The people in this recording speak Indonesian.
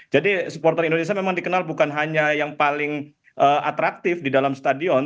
jadi supporter indonesia memang dikenal bukan hanya yang paling atraktif di dalam stadion